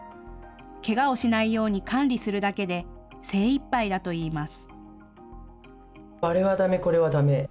けがをしないように管理するだけで精いっぱいだといいます。